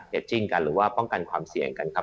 จิ้นกันหรือว่าป้องกันความเสี่ยงกันครับ